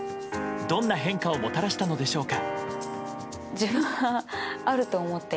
どんな変化をもたらしたのでしょうか。